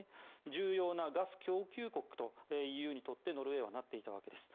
重要なガス供給国にＥＵにとってノルウェーはなっていたわけです。